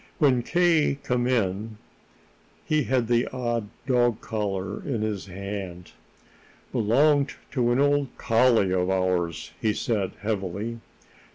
When K. came in, he had the old dog collar in his hand. "Belonged to an old collie of ours," he said heavily.